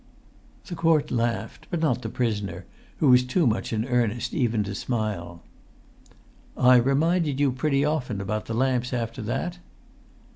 The court laughed, but not the prisoner, who was too much in earnest even to smile. "I reminded you pretty often about the lamps after that?"